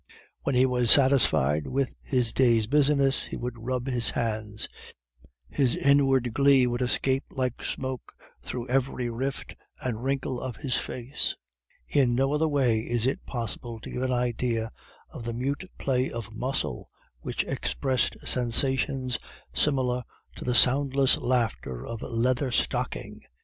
When he was satisfied with his day's business, he would rub his hands; his inward glee would escape like smoke through every rift and wrinkle of his face; in no other way is it possible to give an idea of the mute play of muscle which expressed sensations similar to the soundless laughter of Leather Stocking.